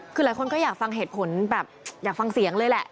คือหลายคนก็อยากฟังเหตุผลแบบอยากฟังเสียงเลยแหละ